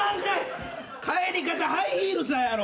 帰り方ハイヒールさんやろ。